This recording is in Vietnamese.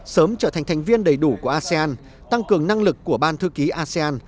sớm trở thành thành viên đầy đủ của asean tăng cường năng lực của ban thư ký asean